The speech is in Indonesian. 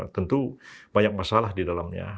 tentu banyak masalah di dalamnya